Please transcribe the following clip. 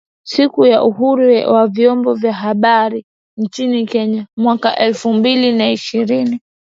Siku ya Uhuru wa Vyombo vya Habari nchini Kenya mwaka elfu mbili na ishirini